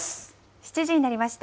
７時になりました。